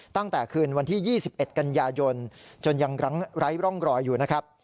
ตั้งแต่คืนวันที่๒๑กันยายนจนยังไร้ร่องรอยอยู่นะครับ